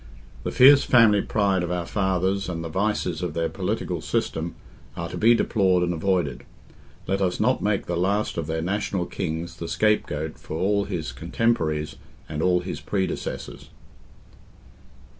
The fierce family pride of our fathers and the vices of their political system are to be deplored and avoided; let us not make the last of their national kings the scape goat for all his cotemporaries and all his predecessors.